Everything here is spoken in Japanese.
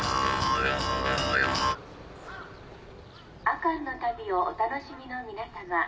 阿寒の旅をお楽しみの皆様